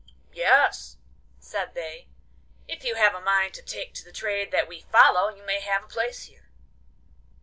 'Yes,' said they, 'if you have a mind to take to the trade that we follow, you may have a place here.